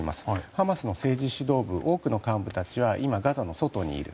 ハマスの政治指導部の多くは今、ガザの外にいる。